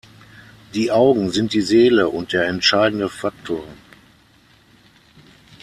Die Augen sind die Seele und der entscheidende Faktor.